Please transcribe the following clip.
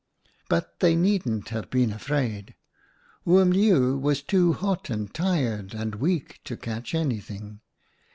" But they needn't have been afraid. Oom Leeuw was too hot and tired and weak to catch anything.